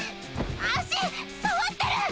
足触ってる！